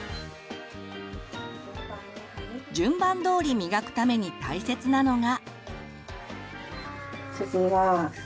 順番どおり磨くために大切なのが。